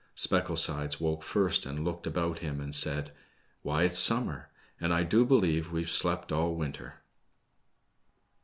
Specklesides awoke first, and looked about him and said, Why, it's summer, and I do believe we've slept all winter